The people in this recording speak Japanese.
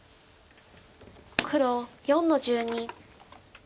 黒４の十二。